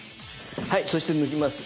はいそして抜きます。